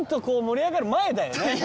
こう盛り上がる前だよね。